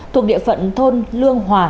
thuộc địa phận thôn lương hòa